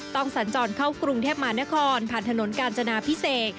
สัญจรเข้ากรุงเทพมหานครผ่านถนนกาญจนาพิเศษ